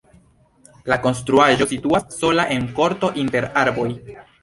La konstruaĵo situas sola en korto inter arboj.